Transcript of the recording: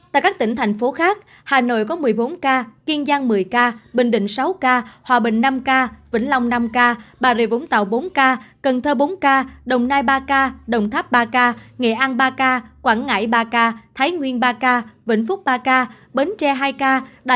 tại các tỉnh thành phố khác hà nội có một mươi bốn ca kiên giang một mươi ca bình định sáu ca hòa bình năm ca vĩnh long năm ca bà rịa vũng tàu bốn ca cần thơ bốn ca đồng nai ba ca đồng tháp ba ca nghệ an ba ca quảng ngãi ba ca thái nguyên ba ca vĩnh phúc ba ca bến tre hai ca